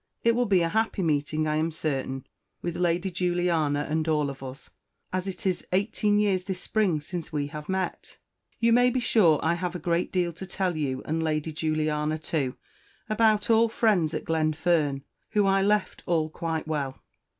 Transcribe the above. It will be a happy Meeting, I am certain, with Lady Juliana and all of us, as it is Eighteen years this spring since we have Met. You may be sure I have a great Deal to tell you and Lady Juliana too, about all Friends at Glenfern, whom I left all quite Well.